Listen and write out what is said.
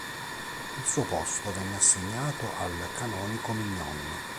Il suo posto venne assegnato al canonico Mignon.